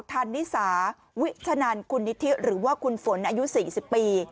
ทันนิสาวิชนันคุณนิธิหรือว่าคุณฝนอายุ๔๐ปี